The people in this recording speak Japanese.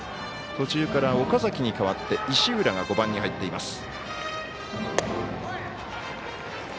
途中から岡崎に代わって石浦が５番に入っています。